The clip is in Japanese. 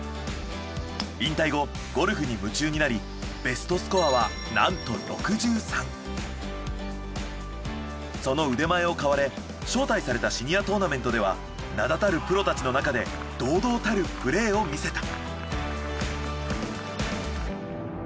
引退後ゴルフに夢中になりその腕前を買われ招待されたシニアトーナメントでは名だたるプロたちの中で堂々たるプレーを見せた。